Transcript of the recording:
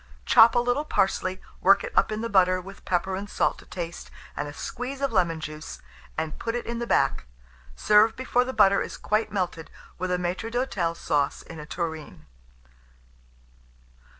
Chop a little parsley, work it up in the butter, with pepper and salt to taste, and a squeeze of lemon juice, and put it in the back. Serve before the butter is quite melted, with a maître d'hôtel sauce in a tureen.